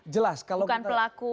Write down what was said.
jelas kalau kita